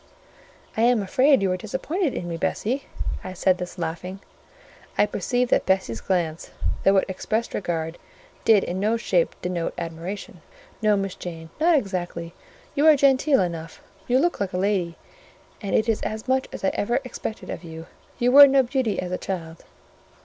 "I am afraid you are disappointed in me, Bessie." I said this laughing: I perceived that Bessie's glance, though it expressed regard, did in no shape denote admiration. "No, Miss Jane, not exactly: you are genteel enough; you look like a lady, and it is as much as ever I expected of you: you were no beauty as a child."